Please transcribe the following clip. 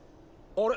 あれ？